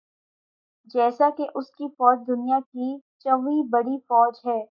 جیسا کہ اس کی فوج دنیا کی چھویں بڑی فوج ہے